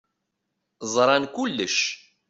Ẓran kulec.